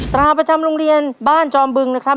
ตราประจำโรงเรียนบ้านจอมบึงนะครับ